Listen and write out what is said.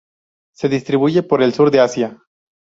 Se distribuyen por el sur de Asia.